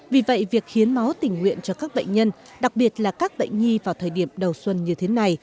vì vậy việc hiến máu tình nguyện cho các bệnh nhân đặc biệt là các bệnh nhi vào thời điểm đầu xuân như thế này